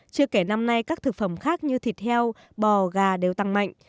chưa kể năm nay các thực phẩm khác như thịt heo bò gà đều tăng mạnh